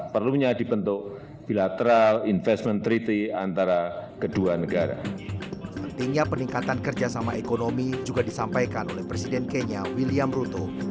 pentingnya peningkatan kerjasama ekonomi juga disampaikan oleh presiden kenya william ruto